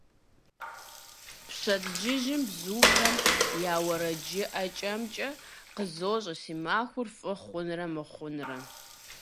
Пщэдджыжьым бзухэм я уэрэджыӏэкӏэмкӏэ къызощӏэ си махуэр фӏы хъунрэ мыхъунрэ.